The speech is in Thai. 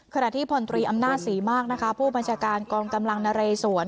ขณะที่พลตรีอำนาจศรีมากนะคะผู้บัญชาการกองกำลังนเรสวน